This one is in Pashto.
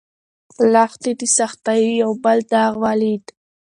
لښتې د سختیو یو بل داغ ولید.